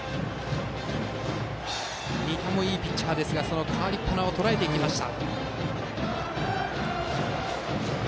仁田もいいピッチャーですがその代わりっぱなをとらえました。